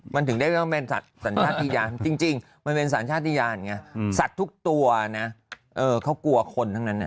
มันถึงได้ว่าเป็นสัตว์สัญชาติยานจริงมันเป็นสัญชาติยานไงสัตว์ทุกตัวนะเขากลัวคนทั้งนั้น